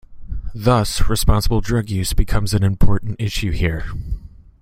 Thus, responsible drug use becomes an important issue here.